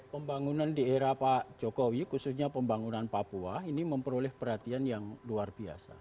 pembangunan di era pak jokowi khususnya pembangunan papua ini memperoleh perhatian yang luar biasa